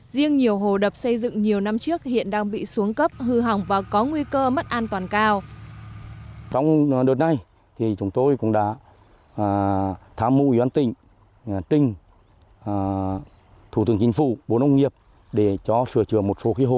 riêng nhiều hồ đập xây dựng nhiều năm trước hiện đang bị xuống cấp hư hỏng và có nguy cơ mất an toàn cao